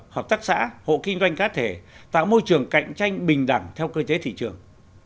hợp tác xã hộ kinh doanh cá thể tạo môi trường cạnh tranh bình đẳng theo cơ chế thị trường